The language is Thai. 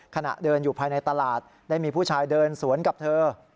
ขณะเดินอยู่ภายในตลาดได้มีผู้ชายเดินสวนกับเธอ